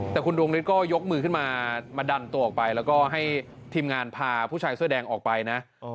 แต่คุณดวงฤทธิก็ยกมือขึ้นมามาดันตัวออกไปแล้วก็ให้ทีมงานพาผู้ชายเสื้อแดงออกไปนะ